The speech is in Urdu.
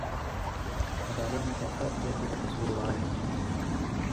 عدالت نے فیصلہ دیا کہ وہ قصوروار ہے